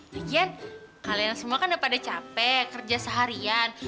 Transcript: demikian kalian semua kan udah pada capek kerja seharian